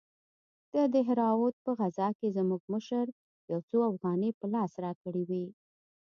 د دهراوت په غزا کښې زموږ مشر يو څو اوغانۍ په لاس راکړې وې.